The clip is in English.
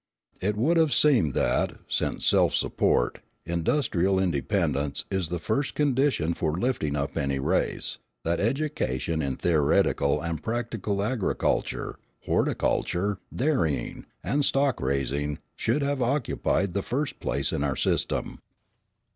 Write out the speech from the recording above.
It would have seemed that, since self support, industrial independence, is the first condition for lifting up any race, that education in theoretical and practical agriculture, horticulture, dairying, and stock raising, should have occupied the first place in our system.